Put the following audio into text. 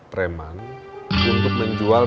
preman untuk menjual